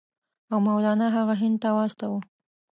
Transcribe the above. او مولنا هغه هند ته واستاوه.